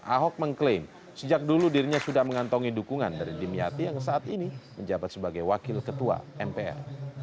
ahok mengklaim sejak dulu dirinya sudah mengantongi dukungan dari dimyati yang saat ini menjabat sebagai wakil ketua mpr